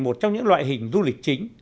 một trong những loại hình du lịch chính